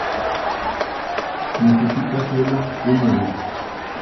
Necesita suelos húmedos.